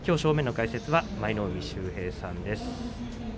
きょう正面の解説は舞の海秀平さんです。